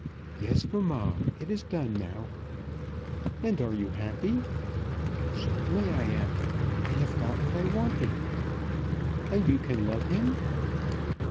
"Yes, mamma, it is done now." "And are you happy?" "Certainly I am. I have got what I wanted." "And you can love him?"